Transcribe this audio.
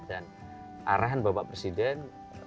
dan arahan bapak presiden